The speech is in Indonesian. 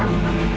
aku mau ke rumah